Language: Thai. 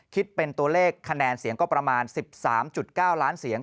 คิดเป็นตัวเลขคะแนนเสียงก็ประมาณ๑๓๙ล้านเสียง